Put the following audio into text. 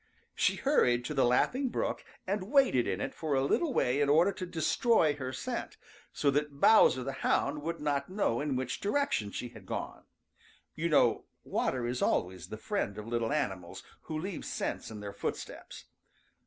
She hurried to the Laughing Brook and waded in it for a little way in order to destroy her scent so that Bowser the Hound would not know in which direction she had gone. You know water is always the friend of little animals who leave scent in their footsteps.